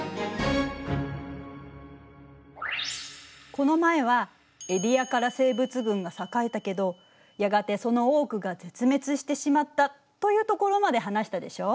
この前はエディアカラ生物群が栄えたけどやがてその多くが絶滅してしまったというところまで話したでしょう？